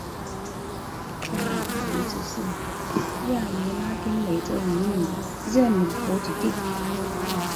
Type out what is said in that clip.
加拿大一直是亚裔拉丁美洲移民的热门目的地。